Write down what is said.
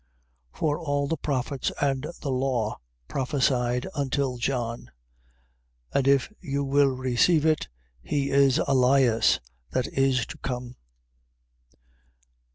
For all the prophets and the law prophesied until John: 11:14. And if you will receive it, he is Elias that is to come.